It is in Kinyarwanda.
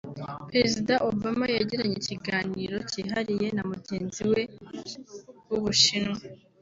Perezida Obama yagiranye ikiganiro cyihariye na mugenzi we w’u Bushinwa